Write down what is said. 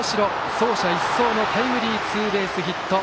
走者一掃のタイムリーツーベースヒット。